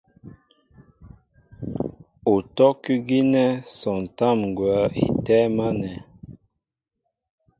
Utɔ́' kʉ́ gínɛ́ sɔntám ŋgwα̌ í tɛ́ɛ́m ánɛ̄.